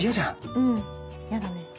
うん嫌だね。